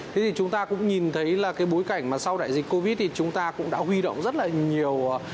thế thì chúng ta cũng nhìn thấy là cái bối cảnh mà sau đại dịch covid thì chúng ta cũng đã huy động rất là nhiều